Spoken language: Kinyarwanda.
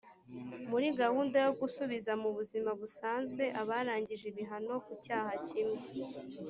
muri gahunda yo gusubiza mu buzima busanzwe abarangije ibihano ku cyaha kimwe